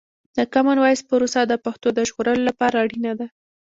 د کامن وایس پروسه د پښتو د ژغورلو لپاره اړینه ده.